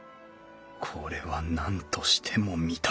これはなんとしても見たい